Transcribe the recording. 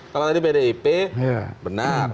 kalau tadi bdip benar